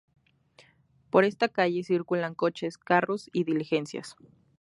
Por esta calle circulan coches, carros y diligencias.